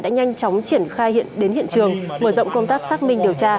đã nhanh chóng triển khai đến hiện trường mở rộng công tác xác minh điều tra